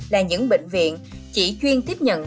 là những bệnh viện chỉ chuyên tiếp nhận